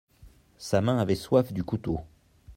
Sa main avait soif du couteau.